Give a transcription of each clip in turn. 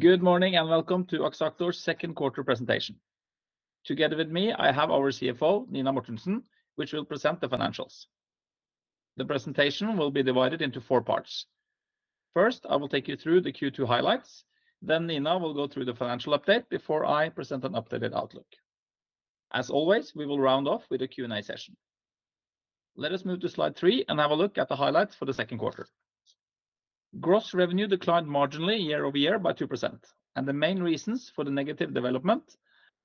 Good morning, and welcome to Axactor's second quarter presentation. Together with me, I have our CFO, Nina Mortensen, which will present the financials. The presentation will be divided into four parts. First, I will take you through the Q2 highlights, then Nina will go through the financial update before I present an updated outlook. As always, we will round off with a Q&A session. Let us move to slide 3 and have a look at the highlights for the second quarter. Gross revenue declined marginally year-over-year by 2%, and the main reasons for the negative development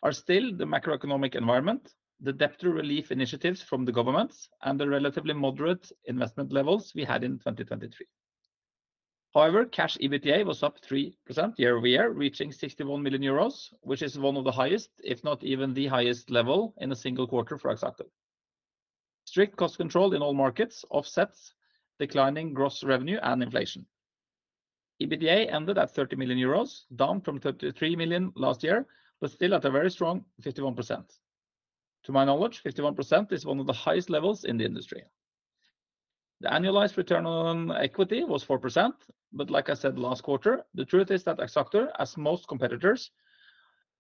are still the macroeconomic environment, the debt relief initiatives from the governments, and the relatively moderate investment levels we had in 2023. However, cash EBITDA was up 3% year-over-year, reaching 61 million euros, which is one of the highest, if not even the highest level in a single quarter for Axactor. Strict cost control in all markets offsets declining gross revenue and inflation. EBITDA ended at 30 million euros, down from 33 million last year, but still at a very strong 51%. To my knowledge, 51% is one of the highest levels in the industry. The annualized return on equity was 4%, but like I said last quarter, the truth is that Axactor, as most competitors,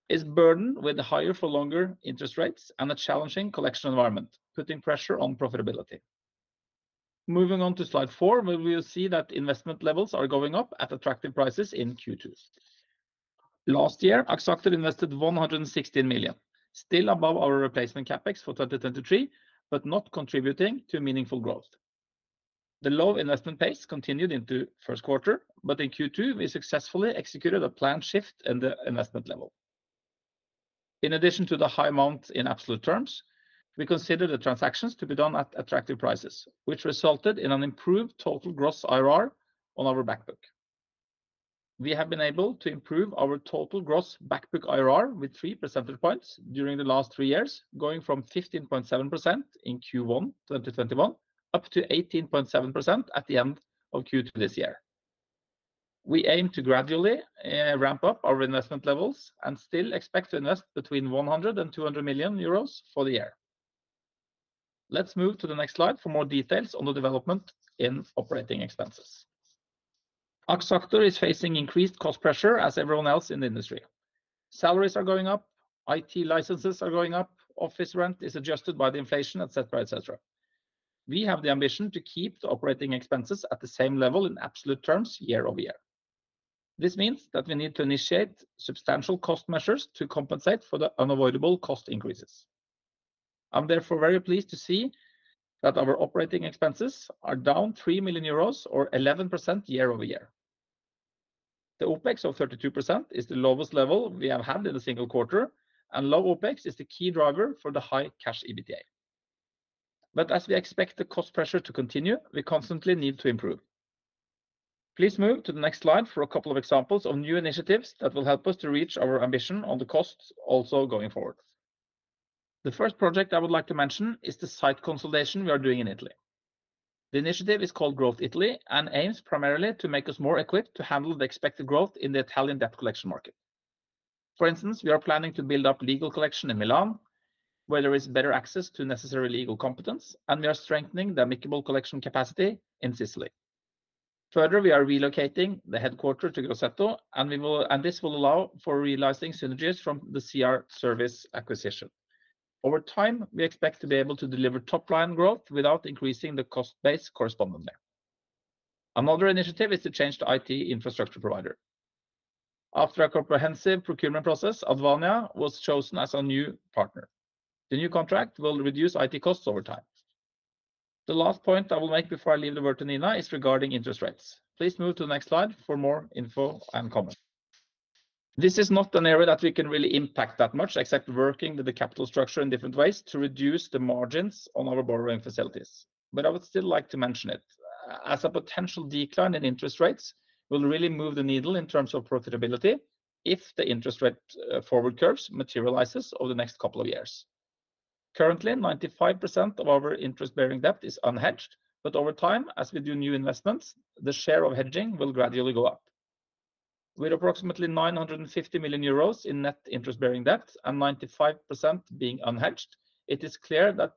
is burdened with higher for longer interest rates and a challenging collection environment, putting pressure on profitability. Moving on to slide four, where we will see that investment levels are going up at attractive prices in Q2. Last year, Axactor invested 116 million, still above our replacement CapEx for 2023, but not contributing to meaningful growth. The low investment pace continued into first quarter, but in Q2, we successfully executed a planned shift in the investment level. In addition to the high amount in absolute terms, we consider the transactions to be done at attractive prices, which resulted in an improved total gross IRR on our back book. We have been able to improve our total gross back book IRR with three percentage points during the last three years, going from 15.7% in Q1 2021, up to 18.7% at the end of Q2 this year. We aim to gradually ramp up our investment levels and still expect to invest between 100 million euros and 200 million euros for the year. Let's move to the next slide for more details on the development in operating expenses. Axactor is facing increased cost pressure as everyone else in the industry. Salaries are going up, IT licenses are going up, office rent is adjusted by the inflation, et cetera, et cetera. We have the ambition to keep the operating expenses at the same level in absolute terms year-over-year. This means that we need to initiate substantial cost measures to compensate for the unavoidable cost increases. I'm therefore very pleased to see that our operating expenses are down 3 million euros or 11% year-over-year. The OpEx of 32% is the lowest level we have had in a single quarter, and low OpEx is the key driver for the high cash EBITDA. But as we expect the cost pressure to continue, we constantly need to improve. Please move to the next slide for a couple of examples of new initiatives that will help us to reach our ambition on the costs also going forward. The first project I would like to mention is the site consolidation we are doing in Italy. The initiative is called Growth Italy, and aims primarily to make us more equipped to handle the expected growth in the Italian debt collection market. For instance, we are planning to build up legal collection in Milan, where there is better access to necessary legal competence, and we are strengthening the amicable collection capacity in Sicily. Further, we are relocating the headquarters to Grosseto, and this will allow for realizing synergies from the C.R. Service acquisition. Over time, we expect to be able to deliver top line growth without increasing the cost base corresponding there. Another initiative is to change the IT infrastructure provider. After a comprehensive procurement process, Advania was chosen as our new partner. The new contract will reduce IT costs over time. The last point I will make before I leave the word to Nina is regarding interest rates. Please move to the next slide for more info and comment. This is not an area that we can really impact that much, except working with the capital structure in different ways to reduce the margins on our borrowing facilities, but I would still like to mention it, as a potential decline in interest rates will really move the needle in terms of profitability if the interest rate, forward curves materializes over the next couple of years. Currently, 95% of our interest-bearing debt is unhedged, but over time, as we do new investments, the share of hedging will gradually go up. With approximately 950 million euros in net interest-bearing debt and 95% being unhedged, it is clear that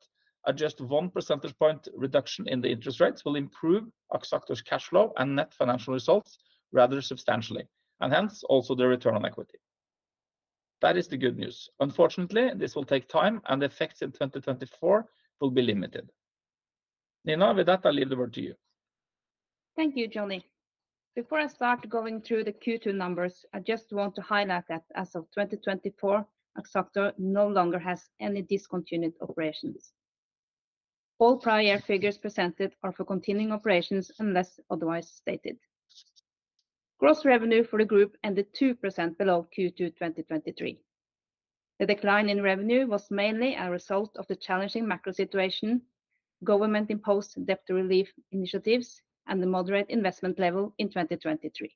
at just one percentage point reduction in the interest rates will improve Axactor's cash flow and net financial results rather substantially, and hence, also the return on equity. That is the good news. Unfortunately, this will take time, and the effects in 2024 will be limited. Nina, with that, I leave the word to you. Thank you, Johnny. Before I start going through the Q2 numbers, I just want to highlight that as of 2024, Axactor no longer has any discontinued operations. All prior figures presented are for continuing operations, unless otherwise stated. Gross revenue for the group ended 2% below Q2 2023. The decline in revenue was mainly a result of the challenging macro situation, government-imposed debt relief initiatives, and the moderate investment level in 2023.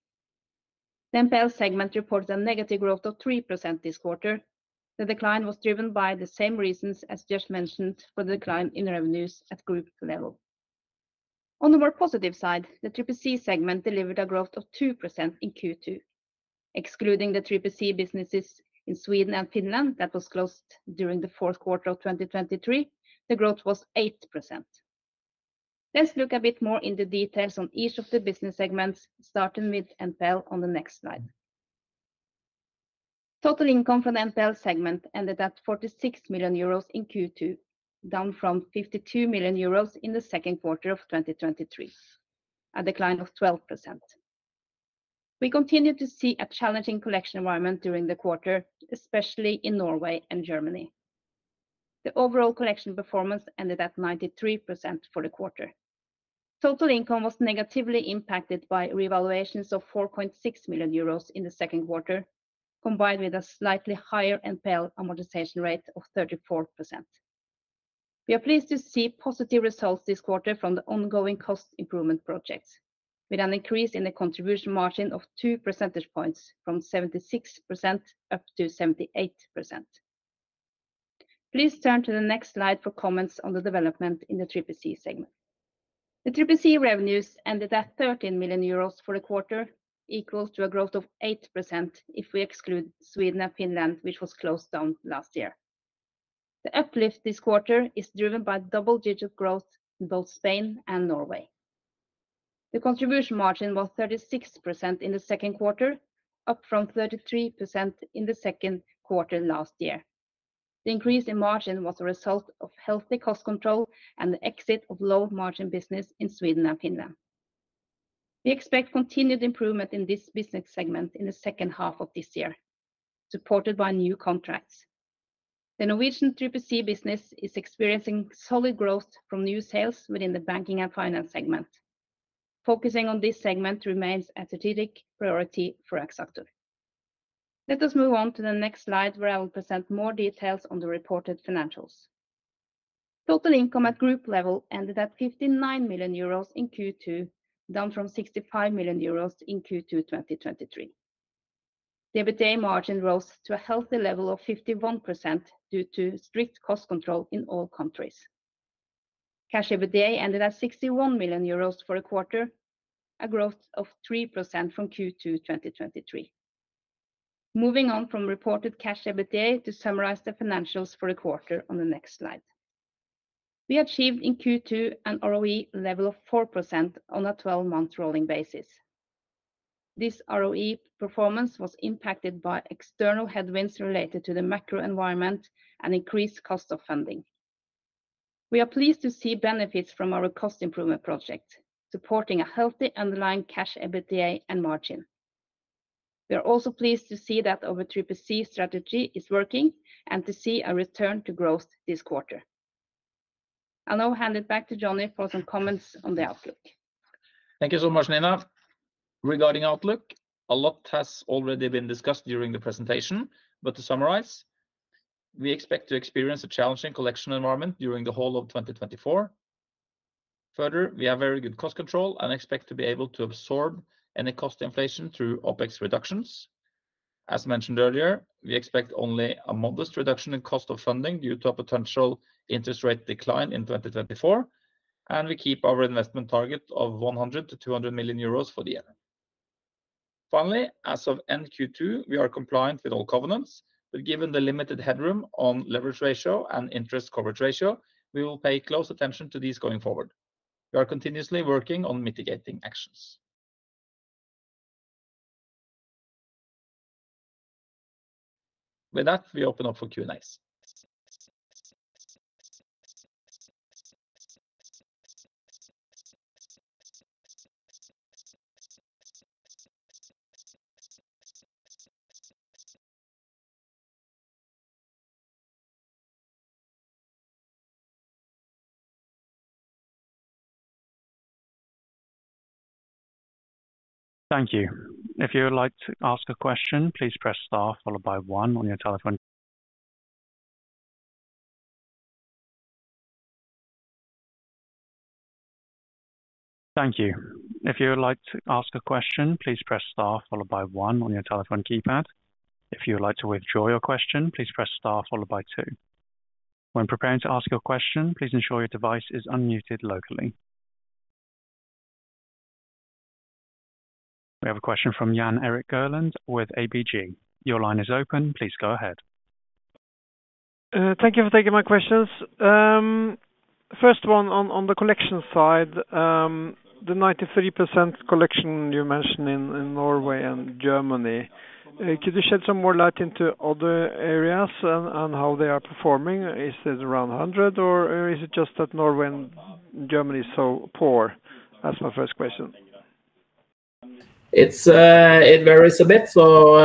The NPL segment reported a negative growth of 3% this quarter. The decline was driven by the same reasons, as just mentioned, for the decline in revenues at group level. On the more positive side, the 3PC segment delivered a growth of 2% in Q2. Excluding the 3PC businesses in Sweden and Finland, that was closed during the fourth quarter of 2023, the growth was 8%.... Let's look a bit more into details on each of the business segments, starting with NPL on the next slide. Total income from NPL segment ended at 46 million euros in Q2, down from 52 million euros in the second quarter of 2023, a decline of 12%. We continue to see a challenging collection environment during the quarter, especially in Norway and Germany. The overall collection performance ended at 93% for the quarter. Total income was negatively impacted by revaluations of 4.6 million euros in the second quarter, combined with a slightly higher NPL amortization rate of 34%. We are pleased to see positive results this quarter from the ongoing cost improvement projects, with an increase in the contribution margin of two percentage points from 76% up to 78%. Please turn to the next slide for comments on the development in the 3PC segment. The 3PC revenues ended at 13 million euros for the quarter, equal to a growth of 8% if we exclude Sweden and Finland, which was closed down last year. The uplift this quarter is driven by double-digit growth in both Spain and Norway. The contribution margin was 36% in the second quarter, up from 33% in the second quarter last year. The increase in margin was a result of healthy cost control and the exit of low margin business in Sweden and Finland. We expect continued improvement in this business segment in the second half of this year, supported by new contracts. The Norwegian 3PC business is experiencing solid growth from new sales within the banking and finance segment. Focusing on this segment remains a strategic priority for Axactor. Let us move on to the next slide, where I will present more details on the reported financials. Total income at group level ended at 59 million euros in Q2, down from 65 million euros in Q2 2023. The EBITDA margin rose to a healthy level of 51% due to strict cost control in all countries. Cash EBITDA ended at 61 million euros for a quarter, a growth of 3% from Q2 2023. Moving on from reported cash EBITDA to summarize the financials for the quarter on the next slide. We achieved in Q2 an ROE level of 4% on a 12-month rolling basis. This ROE performance was impacted by external headwinds related to the macro environment and increased cost of funding. We are pleased to see benefits from our cost improvement project, supporting a healthy underlying cash EBITDA and margin. We are also pleased to see that our 3PC strategy is working and to see a return to growth this quarter. I'll now hand it back to Johnny for some comments on the outlook. Thank you so much, Nina. Regarding outlook, a lot has already been discussed during the presentation, but to summarize, we expect to experience a challenging collection environment during the whole of 2024. Further, we have very good cost control and expect to be able to absorb any cost inflation through OpEx reductions. As mentioned earlier, we expect only a modest reduction in cost of funding due to a potential interest rate decline in 2024, and we keep our investment target of 100 million-200 million euros for the year. Finally, as of end Q2, we are compliant with all covenants, but given the limited headroom on leverage ratio and interest coverage ratio, we will pay close attention to these going forward. We are continuously working on mitigating actions. With that, we open up for Q&As. Thank you. If you would like to ask a question, please press star followed by one on your telephone. Thank you. If you would like to ask a question, please press star followed by one on your telephone keypad. If you would like to withdraw your question, please press star followed by two. When preparing to ask your question, please ensure your device is unmuted locally. We have a question from Jan Erik Gjerland with ABG. Your line is open. Please go ahead. Thank you for taking my questions. First one on, on the collection side, the 93% collection you mentioned in, in Norway and Germany, could you shed some more light into other areas and, and how they are performing? Is it around 100, or, is it just that Norway and Germany is so poor? That's my first question. It's, it varies a bit. So,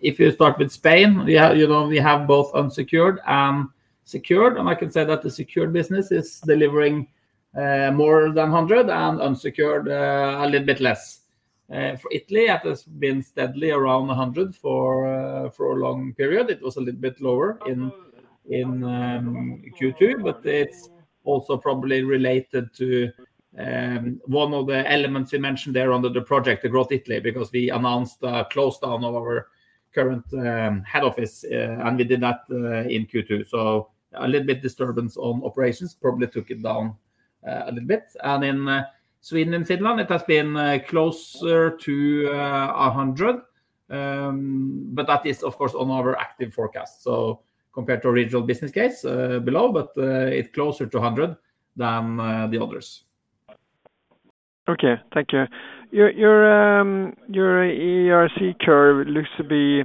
if you start with Spain, we have, you know, we have both unsecured and secured, and I can say that the secured business is delivering more than 100, and unsecured a little bit less. For Italy, it has been steadily around 100 for a long period. It was a little bit lower in Q2, but it's also probably related to one of the elements you mentioned there under the project, the Growth Italy, because we announced a close down of our current head office, and we did that in Q2. So a little bit disturbance on operations probably took it down a little bit. And in Sweden and Finland, it has been closer to 100. But that is, of course, on our active forecast. So compared to original business case, below, but it's closer to 100 than the others. Okay, thank you. Your ERC curve looks to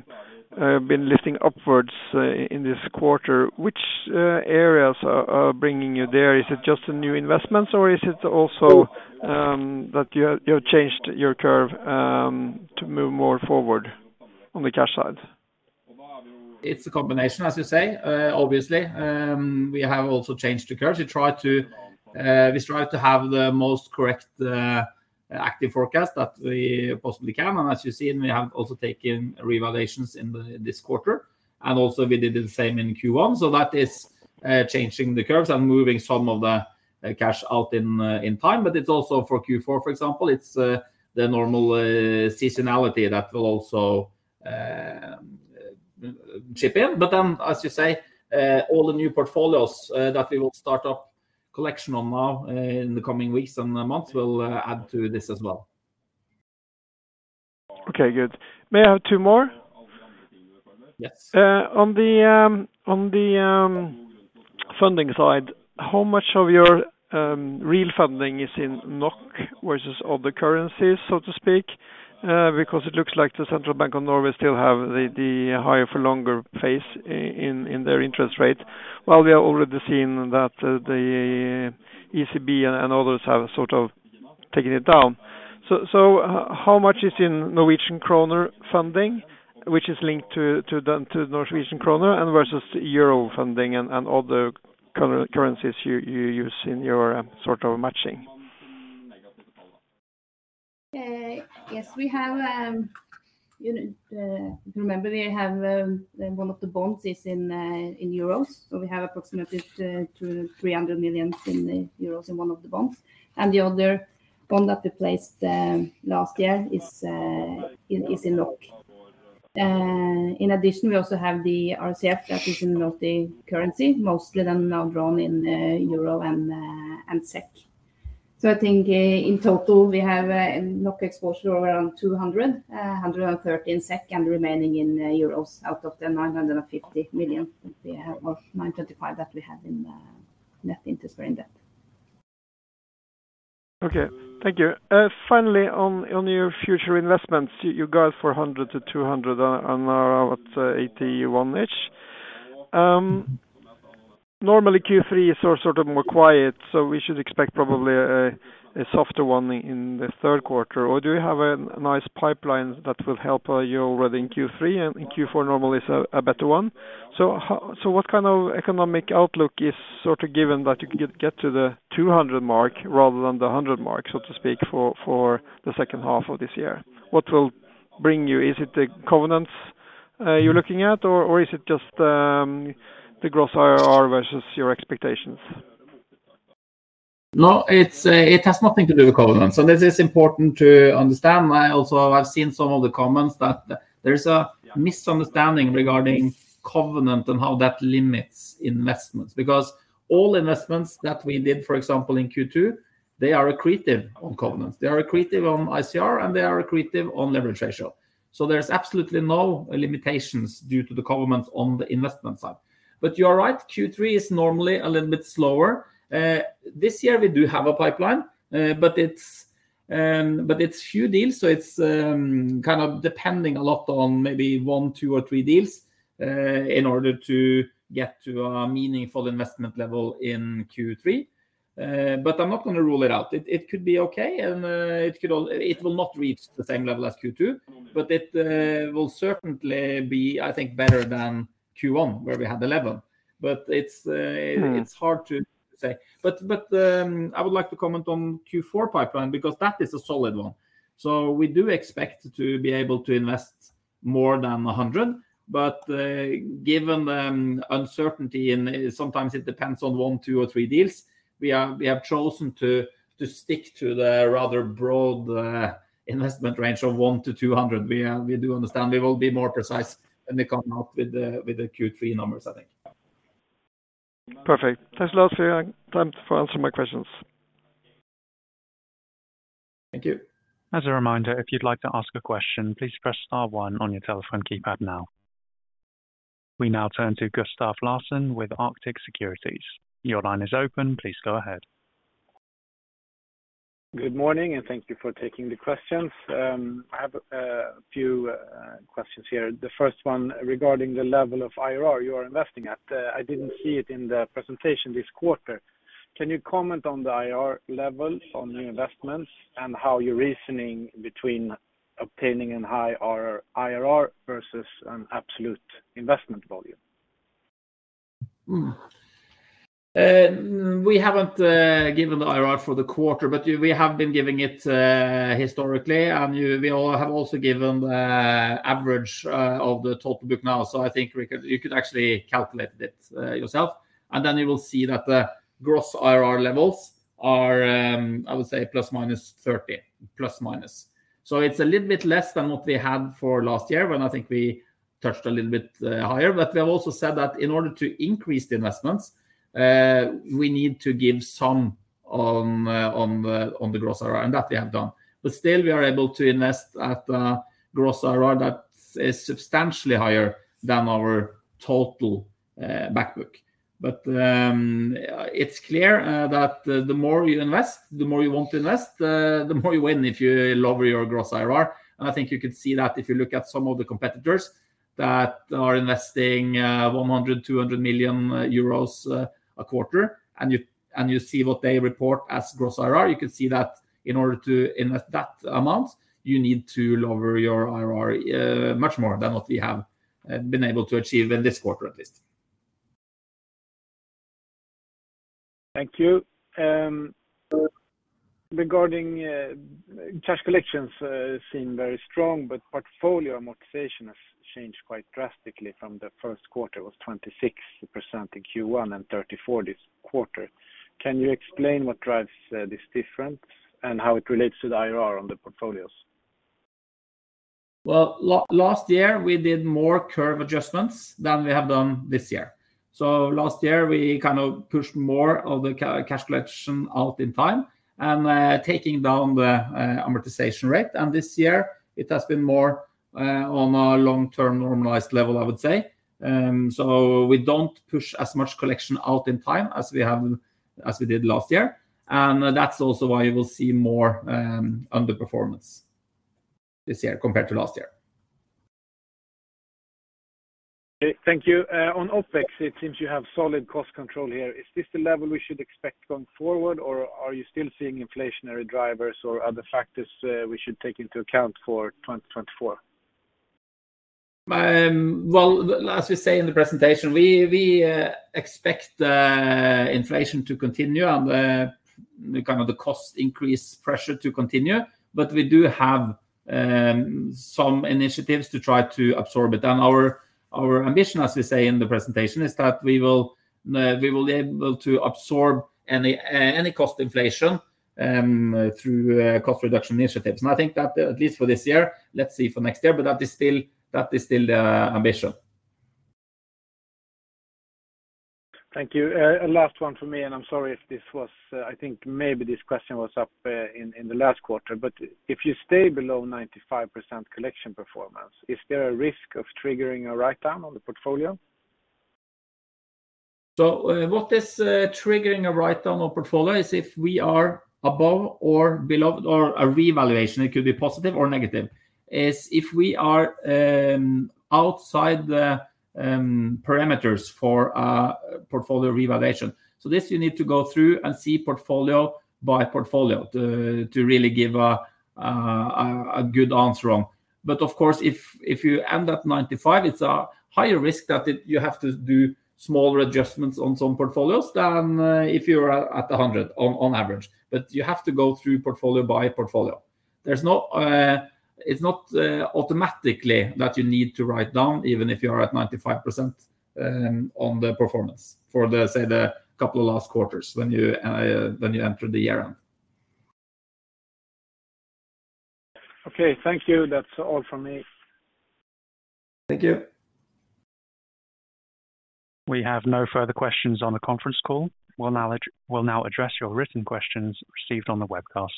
have been lifting upwards in this quarter. Which areas are bringing you there? Is it just the new investments, or is it also that you have changed your curve to move more forward on the cash side? It's a combination, as you say. Obviously, we have also changed the curve to try to. We strive to have the most correct, active forecast that we possibly can. And as you've seen, we have also taken revaluations in this quarter, and also we did the same in Q1. So that is, changing the curves and moving some of the cash out in, in time, but it's also for Q4, for example, it's, the normal, seasonality that will also, chip in. But then, as you say, all the new portfolios, that we will start up collection on now, in the coming weeks and months, will, add to this as well. Okay, good. May I have two more? Yes. On the funding side, how much of your real funding is in NOK versus other currencies, so to speak? Because it looks like the Central Bank of Norway still have the higher for longer phase in their interest rate, while we are already seeing that the ECB and others have sort of taken it down. So how much is in Norwegian kroner funding, which is linked to the Norwegian kroner and versus euro funding and other currencies you use in your sort of matching? Yes, remember we have one of the bonds is in euros, so we have approximately 300 million euros in one of the bonds. And the other bond that we placed last year is in NOK. In addition, we also have the RCF that is in multi-currency, mostly than now drawn in euro and SEK. So I think in total, we have a NOK exposure around 200 and SEK 113 and remaining in euros out of the 950 million that we have, or 925 that we have in net interest or in debt. Okay, thank you. Finally, on your future investments, you guide for 100-200 on 81 in H1. Normally, Q3 is sort of more quiet, so we should expect probably a softer one in the third quarter, or do you have a nice pipeline that will help you already in Q3 and in Q4 normally is a better one? So, what kind of economic outlook is sort of given that you can get to the 200 mark rather than the 100 mark, so to speak, for the second half of this year? What will bring you? Is it the covenants you're looking at, or is it just the gross IRR versus your expectations? No, it's, it has nothing to do with covenants, and this is important to understand. I also have seen some of the comments that there is a misunderstanding regarding covenant and how that limits investments. Because all investments that we did, for example, in Q2, they are accretive on covenants, they are accretive on ICR, and they are accretive on leverage ratio. So there's absolutely no limitations due to the covenants on the investment side. But you are right, Q3 is normally a little bit slower. This year we do have a pipeline, but it's, but it's few deals, so it's, kind of depending a lot on maybe one, two, or three deals, in order to get to a meaningful investment level in Q3. But I'm not going to rule it out. It could be okay, and it will not reach the same level as Q2, but it will certainly be, I think, better than Q1, where we had 11. But it's Mm.... it's hard to say. But I would like to comment on Q4 pipeline, because that is a solid one. So we do expect to be able to invest more than 100, but given the uncertainty, and sometimes it depends on one, two, or three deals, we have chosen to stick to the rather broad investment range of 100-200. We do understand. We will be more precise when we come out with the Q3 numbers, I think. Perfect. Thanks a lot for time for answering my questions. Thank you. As a reminder, if you'd like to ask a question, please press star one on your telephone keypad now. We now turn to Gustav Larsen with Arctic Securities. Your line is open. Please go ahead. Good morning, and thank you for taking the questions. I have a few questions here. The first one regarding the level of IRR you are investing at. I didn't see it in the presentation this quarter. Can you comment on the IRR levels on the investments and how you're reasoning between obtaining a high IRR versus an absolute investment volume? We haven't given the IRR for the quarter, but we have been giving it historically, and we all have also given the average of the total book now. So I think you could actually calculate it yourself, and then you will see that the gross IRR levels are, I would say, plus minus 30, plus minus. So it's a little bit less than what we had for last year, when I think we touched a little bit higher. But we have also said that in order to increase the investments, we need to give some on the gross IRR, and that we have done. But still we are able to invest at gross IRR that is substantially higher than our total back book. But, it's clear that the more you invest, the more you want to invest, the more you win if you lower your Gross IRR. And I think you could see that if you look at some of the competitors that are investing, 100 million-200 million euros a quarter, and you, and you see what they report as Gross IRR. You can see that in order to invest that amount, you need to lower your IRR much more than what we have been able to achieve in this quarter, at least. Thank you. Regarding cash collections seem very strong, but portfolio amortization has changed quite drastically from the first quarter, was 26% in Q1 and 34% this quarter. Can you explain what drives this difference and how it relates to the IRR on the portfolios? Well, last year, we did more curve adjustments than we have done this year. So last year we kind of pushed more of the cash collection out in time, and taking down the amortization rate. And this year it has been more on a long-term normalized level, I would say. So we don't push as much collection out in time as we have, as we did last year. And that's also why you will see more underperformance this year compared to last year. Okay, thank you. On OpEx, it seems you have solid cost control here. Is this the level we should expect going forward, or are you still seeing inflationary drivers or other factors, we should take into account for 2024? Well, as we say in the presentation, we expect the inflation to continue and kind of the cost increase pressure to continue, but we do have some initiatives to try to absorb it. And our ambition, as we say in the presentation, is that we will able to absorb any cost inflation through cost reduction initiatives. And I think that at least for this year, let's see for next year, but that is still the ambition. Thank you. A last one for me, and I'm sorry if this was, I think maybe this question was up in the last quarter. But if you stay below 95% collection performance, is there a risk of triggering a write-down on the portfolio? So, what is triggering a write-down on portfolio is if we are above or below or a revaluation, it could be positive or negative, is if we are outside the parameters for a portfolio revaluation. So this you need to go through and see portfolio by portfolio to really give a good answer on. But of course, if you end at 95, it's a higher risk that you have to do smaller adjustments on some portfolios than if you're at 100 on average. But you have to go through portfolio by portfolio. There's no, it's not automatically that you need to write down, even if you are at 95% on the performance for, say, the couple of last quarters when you enter the year-end. Okay, thank you. That's all from me. Thank you. We have no further questions on the conference call. We'll now address your written questions received on the webcast.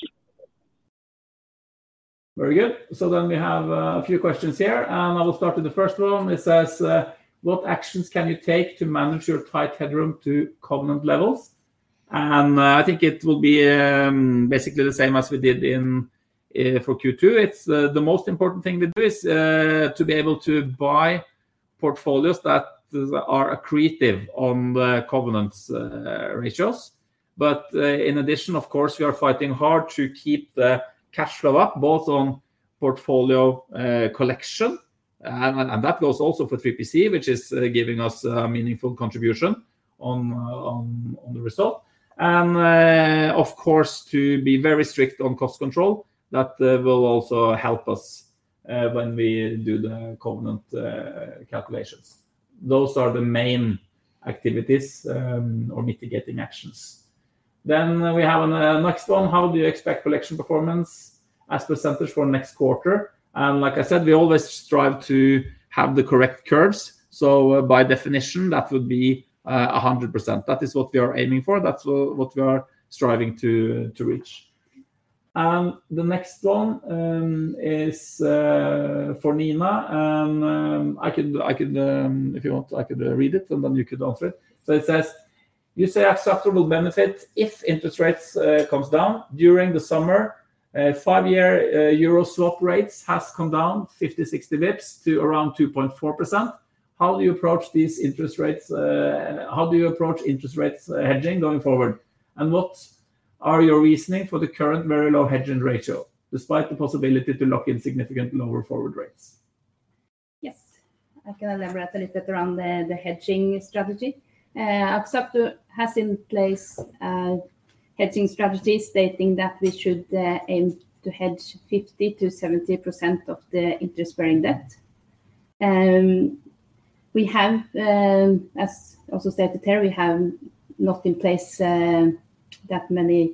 Very good. So then we have a few questions here, and I will start with the first one. It says, "What actions can you take to manage your tight headroom to covenant levels?" And I think it will be basically the same as we did in for Q2. It's the most important thing we do is to be able to buy portfolios that are accretive on the covenants ratios. But in addition, of course, we are fighting hard to keep the cash flow up, both on portfolio collection, and that goes also for 3PC, which is giving us a meaningful contribution on the result. And of course, to be very strict on cost control, that will also help us when we do the covenant calculations. Those are the main activities or mitigating actions. Then we have an next one: "How do you expect collection performance as percentage for next quarter?" And like I said, we always strive to have the correct curves, so by definition, that would be 100%. That is what we are aiming for, that's what we are striving to reach. And the next one is for Nina, and if you want, I could read it, and then you could answer it. So it says, "You say acceptable benefit if interest rates comes down during the summer, five-year euro swap rates has come down 50, 60 basis points to around 2.4%. How do you approach these interest rates, how do you approach interest rates hedging going forward? What are your reasoning for the current very low hedging ratio, despite the possibility to lock in significant lower forward rates? Yes. I can elaborate a little bit around the hedging strategy. Axactor has in place hedging strategy, stating that we should aim to hedge 50%-70% of the interest-bearing debt. We have, as also stated here, not in place that many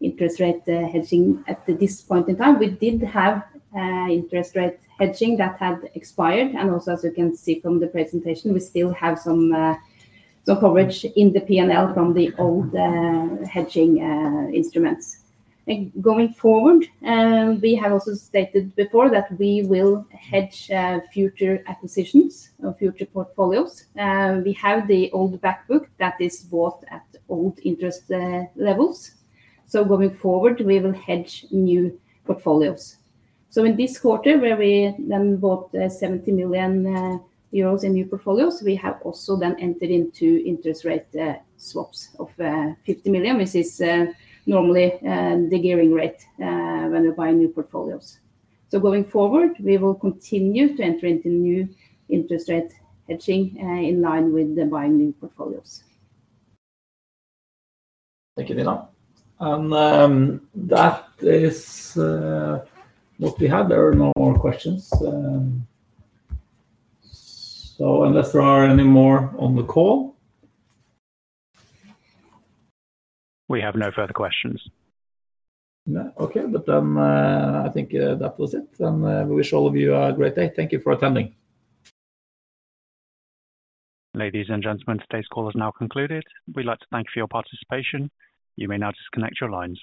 interest rate hedging at this point in time. We did have interest rate hedging that had expired, and also, as you can see from the presentation, we still have some coverage in the P&L from the old hedging instruments. Going forward, we have also stated before that we will hedge future acquisitions or future portfolios. We have the old back book that is bought at old interest levels. So going forward, we will hedge new portfolios. So in this quarter, where we then bought 70 million euros in new portfolios, we have also then entered into interest rate swaps of 50 million, which is normally the gearing rate when we buy new portfolios. So going forward, we will continue to enter into new interest rate hedging in line with the buying new portfolios. Thank you, Nina. And that is what we had. There are no more questions. So unless there are any more on the call? We have no further questions. No. Okay, but then, I think, that was it, and we wish all of you a great day. Thank you for attending. Ladies and gentlemen, today's call is now concluded. We'd like to thank you for your participation. You may now disconnect your lines.